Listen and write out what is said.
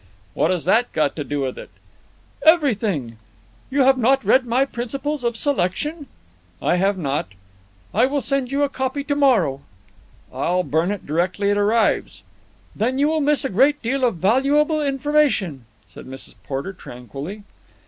"What has that got to do with it?" "Everything. You have not read my 'Principles of Selection'?" "I have not." "I will send you a copy to morrow." "I will burn it directly it arrives." "Then you will miss a great deal of valuable information," said Mrs. Porter tranquilly.